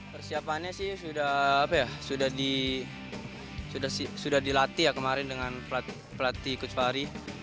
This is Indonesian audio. persiapannya sudah dilatih kemarin dengan pelatih kutfari